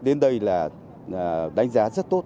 đến đây là đánh giá rất tốt